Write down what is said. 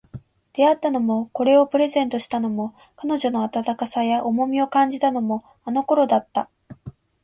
出会ったのも、これをプレゼントしたのも、彼女の温かさや重みを感じたのも、あの頃だった